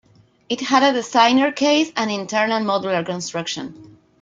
It had a designer case and an internal modular construction.